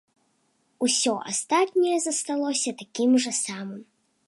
Усё астатняе засталося такім жа самым.